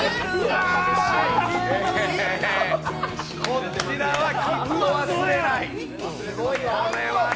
こちらは「きっと忘れない」。